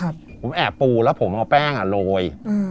ผมแอบปูแล้วผมเอาแป้งโรย